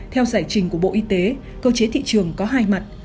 theo giải trình của bộ y tế cơ chế thị trường có hai mặt